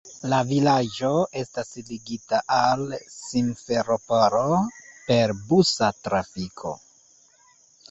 La vilaĝo estas ligita al Simferopolo per busa trafiko.